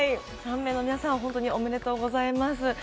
３名の皆さん、本当におめでとうございます。